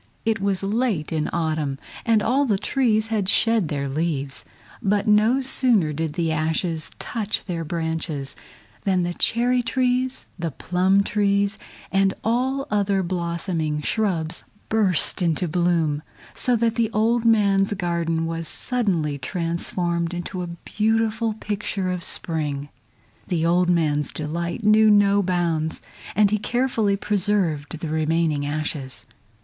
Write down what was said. It was late in autumn and all the trees had shed their leaves, but no sooner did the ashes touch their branches than the cherry trees, the plum trees, and all other blossoming shrubs burst into bloom, so that the old man's garden was suddenly transformed into a beautiful picture of spring. The old man's delight knew no bounds, and he carefully preserved the remaining ashes.